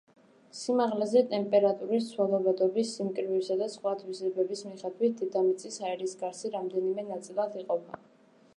სიმაღლეზე ტემპერატურის ცვალებადობის, სიმკვრივისა და სხვა თვისებების მიხედვით დედამიწის ჰაერის გარსი რამდენიმე ნაწილად იყოფა.